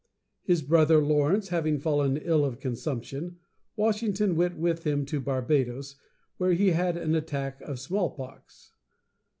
His brother Lawrence having fallen ill of consumption, Washington went with him to Bar´ba dos, where he had an attack of smallpox.